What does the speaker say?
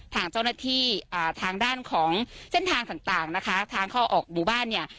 ทางเจ้าหน้าที่ทางด้านของเส้นทางต่างนะคะทางเข้าออกหมู่บ้านเนี่ย